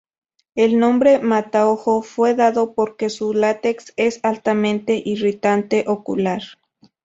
El nombre "mataojo" fue dado porque su látex es altamente irritante ocular.